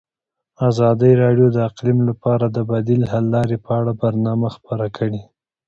ازادي راډیو د اقلیم لپاره د بدیل حل لارې په اړه برنامه خپاره کړې.